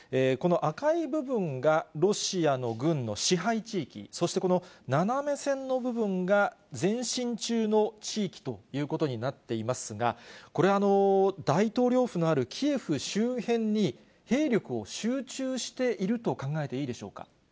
この赤い部分がロシアの軍の支配地域、そしてこの斜め線の部分が前進中の地域ということになっていますが、これ、大統領府のあるキエフ周辺に、兵力を集中していると考えていいでしょうか。